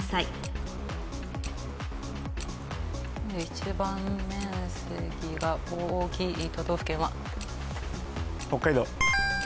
一番面積が大きい都道府県は。